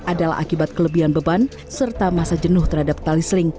adalah akibat kelebihan beban serta masa jenuh terhadap tali seling